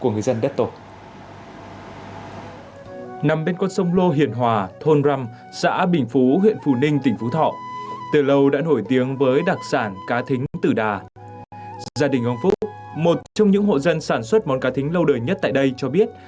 gia đình ông phúc một trong những hộ dân sản xuất món cá thính lâu đời nhất tại đây cho biết